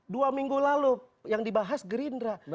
dua minggu lalu yang dibahas gerindra